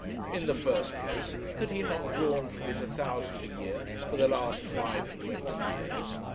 In the first place, had he not drawn from it a thousand a year for the last five and twenty years?